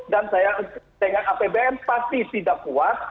dan saya dengan apbn pasti tidak kuat